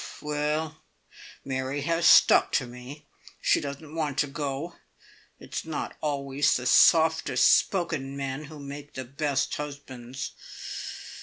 Well, Mary has stuck to me. She doesn't want to go! It's not always the softest spoken men who make the best husbands.